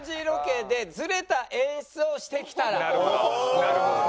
なるほどね。